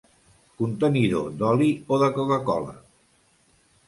Contenidor d'oli o de coca-cola.